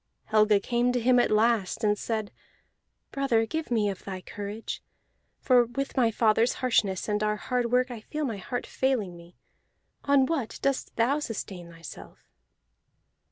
Helga came to him at last, and said, "Brother, give me of thy courage, for with my fathers harshness and our hard work I feel my heart failing me. On what thought dost thou sustain thyself?"